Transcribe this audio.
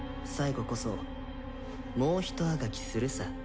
最後こそもうひとあがきするさ。